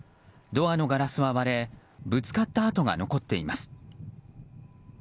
ドアのガラスは割れぶつかった跡が残っています。